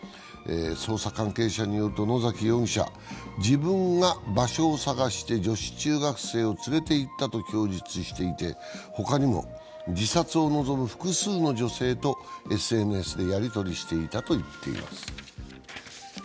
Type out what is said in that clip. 捜査関係者によると野崎容疑者、自分が場所を探して女子中学生を連れて行ったと供述していて、他にも自殺を望む複数の女性とＳＮＳでやりとりしていたと言っています。